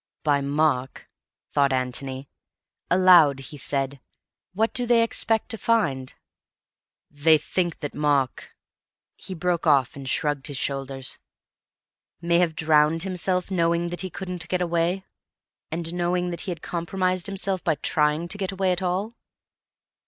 '" "By Mark," thought Antony. Aloud he said, "What do they expect to find?" "They think that Mark—" He broke off and shrugged his shoulders. "May have drowned himself, knowing that he couldn't get away? And knowing that he had compromised himself by trying to get away at all?"